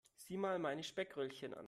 Sieh mal meine Speckröllchen an.